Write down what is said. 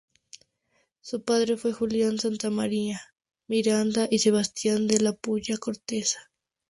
Su padre fue Julián Santa María Miranda y Sebastián de la Pulla Corteza".